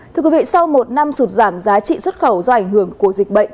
thưa quý vị sau một năm sụt giảm giá trị xuất khẩu do ảnh hưởng của dịch bệnh